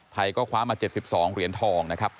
ไทยก็คว้ามา๗๒เหรียญทองนะครับ